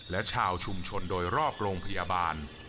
และชาวชุมชนโดยรอบโรงพยาบาล